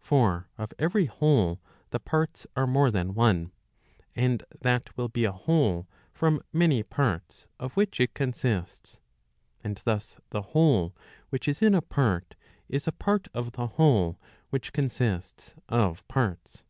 For of every whole the parts are more than one, and that will be a whole from many parts, of which it consists. And thus the whole which is in a part, is a part of the whole which consists of parts.